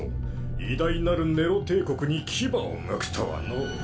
偉大なるネロ帝国に牙をむくとはのう。